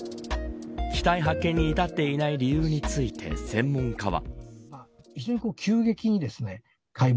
機体発見に至っていない理由について専門家は。